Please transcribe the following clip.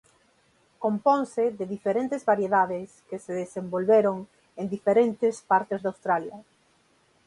Componse de diferentes variedades que se desenvolveron en diferentes partes de Australia.